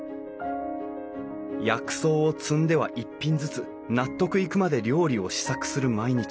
薬草を摘んでは一品ずつ納得いくまで料理を試作する毎日。